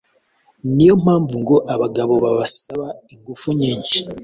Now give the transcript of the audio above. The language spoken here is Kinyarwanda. niyo mpamvu ngo abagabo bibasaba ingufu nyinshi